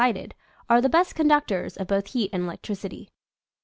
145 cited are the best conductors of both heat and electricity.